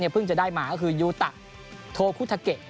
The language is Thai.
เพิ่งจะได้มาก็คือยูตะโทคุทาเกะ